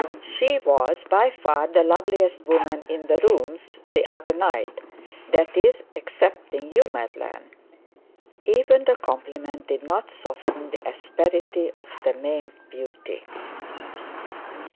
She was by far the loveliest woman in the rooms the other night; that is, excepting you, Madeline.' Even the compliment did not soften the asperity of the maimed beauty.